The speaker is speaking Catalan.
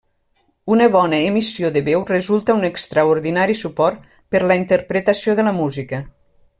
Una bona emissió de veu resulta un extraordinari suport per la interpretació de la música.